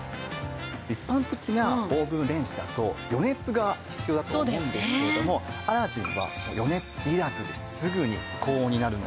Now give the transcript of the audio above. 一般的なオーブンレンジだと予熱が必要だと思うんですけれどもアラジンは予熱いらずですぐに高温になるので。